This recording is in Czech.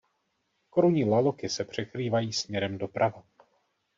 Korunní laloky se překrývají směrem doprava.